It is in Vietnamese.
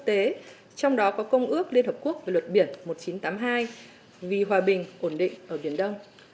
tế trong đó có công ước liên hợp quốc về luật biển một nghìn chín trăm tám mươi hai vì hòa bình ổn định ở biển đông